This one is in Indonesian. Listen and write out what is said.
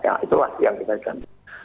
nah itulah yang kita sampaikan